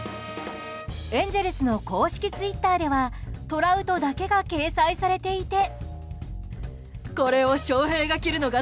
エンゼルスの公式ツイッターではトラウトだけが掲載されていて。